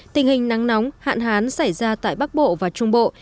tình hình nắng nóng hạn hán xảy ra tại bắc bộ và trung bộ